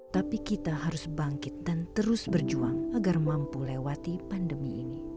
tapi kita harus bangkit dan terus berjuang agar mampu lewati pandemi ini